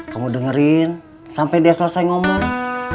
kamu dengerin sampai dia selesai ngomong